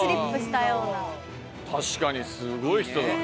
確かにすごい人だ。